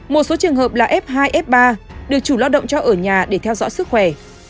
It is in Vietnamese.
một số trường hợp là f hai f ba được chủ lao động cho ở nhà để theo dõi sức khỏe